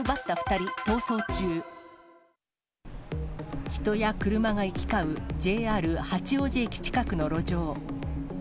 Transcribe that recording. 人や車が行き交う、ＪＲ八王子駅近くの路上。